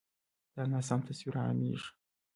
دا ناسم تصویر عامېږي.